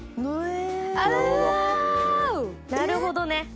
なるほどね。